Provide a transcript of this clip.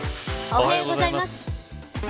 おはようございます。